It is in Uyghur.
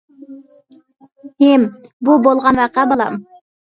ھىم، بۇ بولغان ۋەقە، بالام.